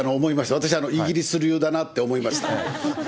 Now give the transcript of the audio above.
私はイギリス流だなと思いました。